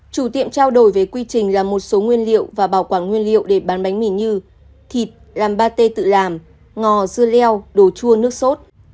chủ tiệm trao đổi về quy trình làm một số nguyên liệu và bảo quản nguyên liệu để bán bánh mì như thịt làm ba t tự làm ngò dưa leo đồ chua nước sốt